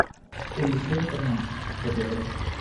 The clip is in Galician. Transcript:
Eliseo Fernández, historiador.